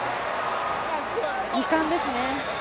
２冠ですね。